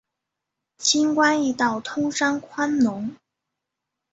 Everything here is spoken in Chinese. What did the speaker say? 轻关易道，通商宽农